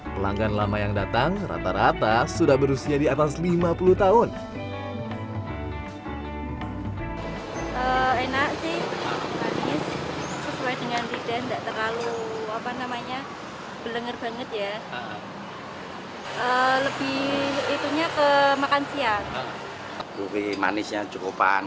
pelanggan lama yang datang rata rata sudah berusia di atas lima puluh tahun